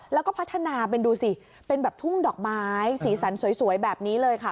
แล้วก็พัฒนาเป็นดูสิเป็นแบบทุ่งดอกไม้สีสันสวยแบบนี้เลยค่ะ